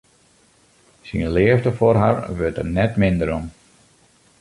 Syn leafde foar har wurdt der net minder om.